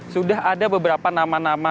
sudah ada beberapa nama nama